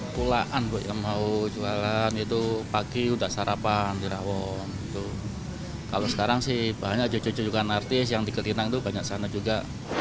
pada saat itu pagi sudah sarapan di rawon kalau sekarang banyak cucu cucukan artis yang diketinang banyak sana juga